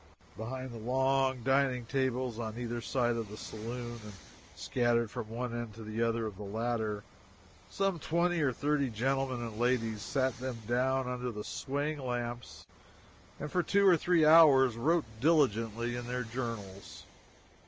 Behind the long dining tables on either side of the saloon, and scattered from one end to the other of the latter, some twenty or thirty gentlemen and ladies sat them down under the swaying lamps and for two or three hours wrote diligently in their journals.